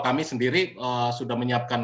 kami sendiri sudah menyiapkan